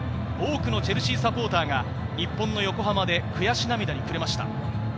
多くのチェルシーサポーターが日本の横浜で悔し涙に暮れました。